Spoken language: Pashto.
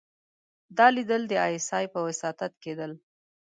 دا ليدل د ای اس ای په وساطت کېدل.